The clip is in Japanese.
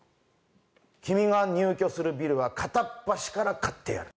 君が入居するビルは片っ端から買ってやる。